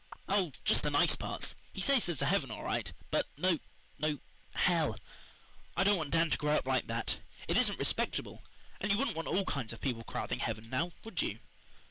"Oh, just the nice parts. He says there's a heaven all right, but no no HELL. I don't want Dan to grow up like that. It isn't respectable. And you wouldn't want all kinds of people crowding heaven, now, would you?"